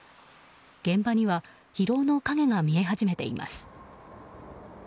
現場には疲労の影が見え始めています。